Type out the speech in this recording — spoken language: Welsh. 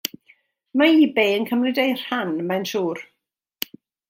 Mae ebay yn cymryd eu rhan, mae'n siwr.